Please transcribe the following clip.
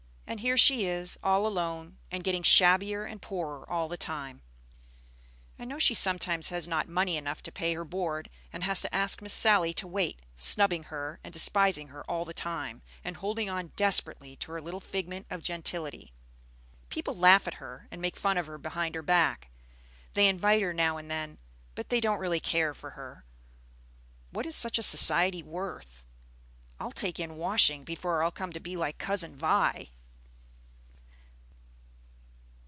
And here she is, all alone, and getting shabbier and poorer all the time. I know she sometimes has not money enough to pay her board, and has to ask Miss Sally to wait, snubbing her and despising her all the time, and holding on desperately to her little figment of gentility. People laugh at her and make fun of her behind her back. They invite her now and then, but they don't really care for her. What is such a society worth? I'll take in washing before I'll come to be like Cousin Vi!"